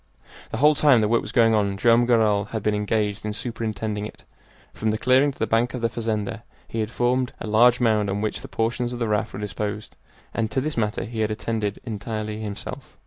The whole time the work was going on Joam Garral had been engaged in superintending it. From the clearing to the bank of the fazenda he had formed a large mound on which the portions of the raft were disposed, and to this matter he had attended entirely himself.